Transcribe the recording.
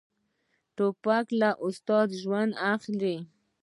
توپک له استاد ژوند اخلي.